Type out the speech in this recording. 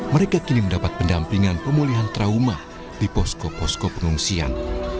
mereka kini mendapat pendampingan pemulihan trauma di posko posko pengungsian